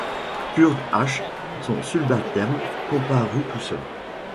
Kurt Asche son subalterne comparut donc seul.